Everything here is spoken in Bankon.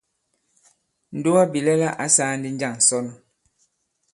Ǹdugabìlɛla ǎ sāā ndī njâŋ ǹsɔn ?